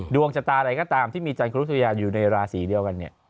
ดวงจตาอะไรก็ตามที่มีจันทร์ครูสุริยาอยู่ในระสีเดียวกันนี่